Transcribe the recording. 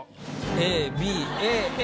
ＡＢＡＡ。